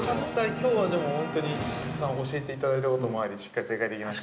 きょうは、でも本当にたくさん教えていただいたこともあり、しっかり正解できました。